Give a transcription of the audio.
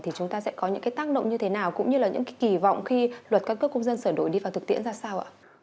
thì chúng ta sẽ có những cái tác động như thế nào cũng như là những cái kỳ vọng khi luật căn cước công dân sửa đổi đi vào thực tiễn ra sao ạ